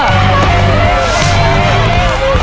เร็วเร็วเร็ว